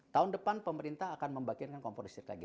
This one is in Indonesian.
tahun depan pemerintah akan membagikan kompor listrik lagi